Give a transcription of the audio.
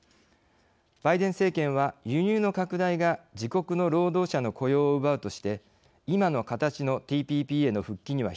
バイデン政権は輸入の拡大が自国の労働者の雇用を奪うとして今の形のＴＰＰへの復帰には否定的です。